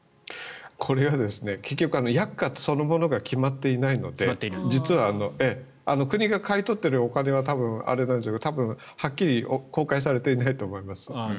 これは薬価そのものが決まっていないので実は、国が買い取ってるお金ははっきり公開されていないと思います。